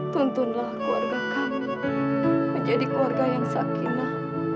tuntunlah keluarga kami menjadi keluarga yang sakinah